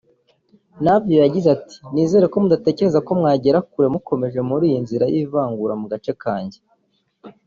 Navio yagize ati “Nizere ko mudatekereza ko mwagera kure mukomeje muri iyi nzira y’ivangure mu gace kanjye